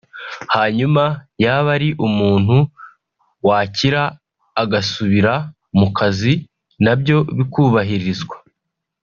hanyuma yaba ari umuntu wakira agasubira mu kazi nabyo bikubahirizwa